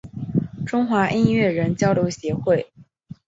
中华音乐人交流协会